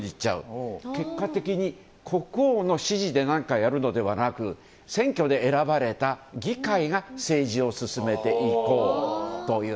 結果的に、国王の指示で何かをやるのではなく選挙で選ばれた議会が政治を進めていこうという。